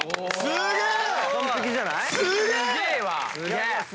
すげえ。